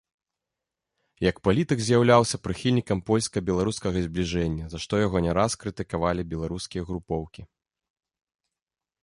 Як палітык з'яўляўся прыхільнікам польска-беларускага збліжэння, за што яго не раз крытыкавалі беларускія групоўкі.